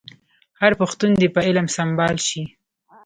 هر پښتون دي په علم سمبال شي.